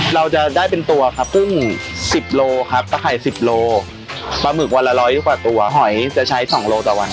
เราจะได้เป็นตัวครับกุ้ง๑๐โลครับตะไข่๑๐โลปลาหมึกวันละร้อยกว่าตัวหอยจะใช้๒โลต่อวัน